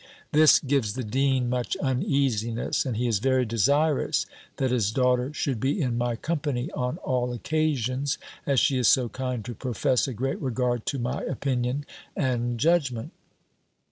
This gives the dean much uneasiness; and he is very desirous that his daughter should be in my company on all occasions, as she is so kind to profess a great regard to my opinion and judgment.